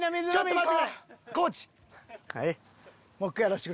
ちょっと待って！